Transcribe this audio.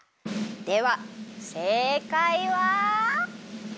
ではせいかいは。